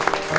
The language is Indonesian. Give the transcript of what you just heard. oh siapa ini